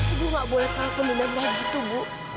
ibu nggak boleh tahu pendendamnya gitu ibu